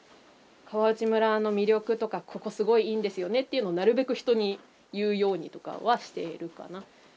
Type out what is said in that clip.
川内村の魅力とかここすごいいいんですよねっていうのをなるべく人に言うようにとかはしているかな。